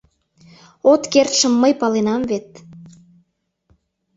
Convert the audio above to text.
— От кертшым мый паленам вет.